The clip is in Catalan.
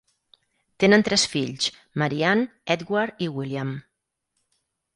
Tenen tres fills: Marianne, Edward i William.